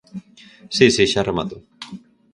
Si, si, xa remato.